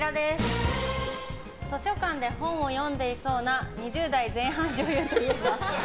図書館で本を読んでいそうな２０代前半の女優といえば？